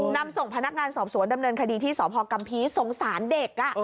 นำส่งพนักงานสอบสวนดำเนินคดีที่สพกัมภีร์สงสารเด็ก